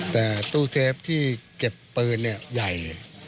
แต่ตู้เซฟที่เก็บปืนใหญ่